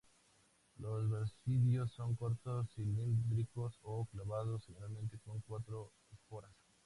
Los basidios son cortos cilíndricos o clavados generalmente con cuatro esporas.